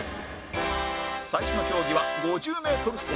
最初の競技は ５０ｍ 走